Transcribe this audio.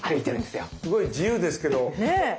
すごい自由ですけど。ね。